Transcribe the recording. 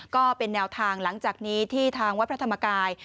ก็เป็นแนวทางหลังจากนี้ที่ทางวัดพระธรรมกาย